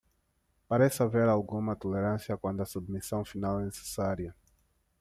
Parece haver alguma tolerância quando a submissão final é necessária.